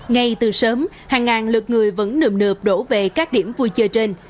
ngay từ sớm hàng ngàn lượt người vẫn nườm nượp đổ về các điểm vui chơi trên